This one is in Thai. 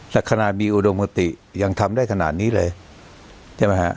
และขนาดมีอุดมติยังทำได้ขนาดนี้เลย